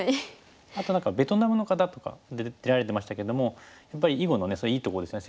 あと何かベトナムの方とか出られてましたけどもやっぱり囲碁のそれいいところですよね。